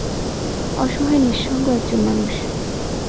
অসহায় নিঃসঙ্গ এক জন মানুষ।